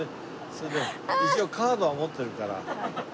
それで一応カードは持ってるから。